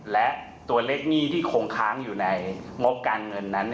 และตัวเลขหนี้ที่คงค้างอยู่ในงบการเงินนั้น